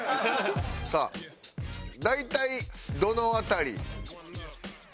さあ大体どの辺り？